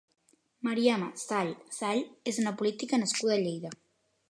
Mariama Sall Sall és una política nascuda a Lleida.